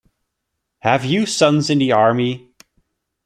Have you sons in the army?